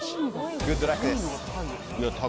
グッドラックです。